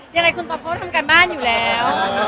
ยังไงคุณต่อพ่อทำการบ้านอยู่แล้ว